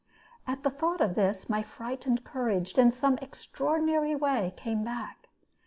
At the thought of this, my frightened courage, in some extraordinary way, came back.